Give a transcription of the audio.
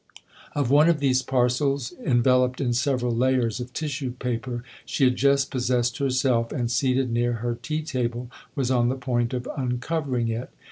Of one of these parcels, enveloped in several layers of tissue paper, she had just possessed herself, and, seated near her tea table, was on the point of uncovering it.